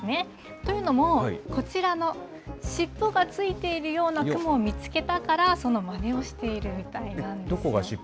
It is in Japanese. というのも、こちらの尻尾が付いているような雲を見つけたから、そのまねをしているみたいなんですよ。